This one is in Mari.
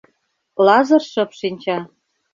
Лазыр шып шинча.